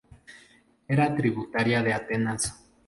Era tributaria de Atenas.